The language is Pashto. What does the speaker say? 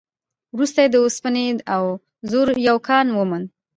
وروسته يې د اوسپنې او زرو يو کان وموند.